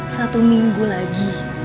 satu minggu lagi